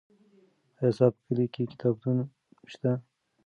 آیا ستا په کلي کې کتابتون سته؟